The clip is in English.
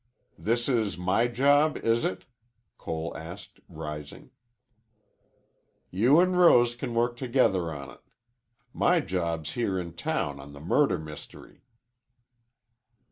"This is my job, is it?" Cole asked, rising. "You an' Rose can work together on it. My job's here in town on the murder mystery."